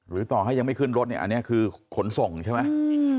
ต่อให้ยังไม่ขึ้นรถเนี่ยอันนี้คือขนส่งใช่ไหม